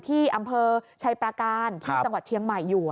ที่อำเภอชัยประการที่จังหวัดเชียงใหม่อยู่